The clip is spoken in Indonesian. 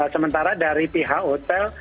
sementara dari pihak hotel